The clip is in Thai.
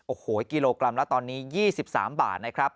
โอ้โหกิโลกรัมละตอนนี้๒๓บาทนะครับ